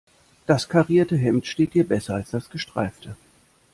Das karierte Hemd steht dir besser als das gestreifte.